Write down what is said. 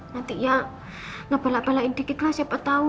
nanti ya ngebela belain dikit lah siapa tahu